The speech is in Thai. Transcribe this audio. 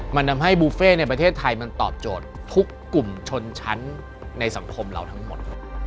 มันทำให้บุฟเฟ่ในประเทศไทยมันตอบโจทย์ทุกกลุ่มชนชั้นในสังคมเราทั้งหมด